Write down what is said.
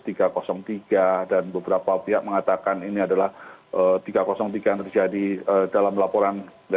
terus tiga ratus tiga dan beberapa pihak mengatakan ini adalah tiga ratus tiga yang terjadi dalam laporan